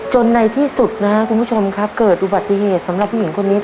ในที่สุดนะครับคุณผู้ชมครับเกิดอุบัติเหตุสำหรับผู้หญิงคนนี้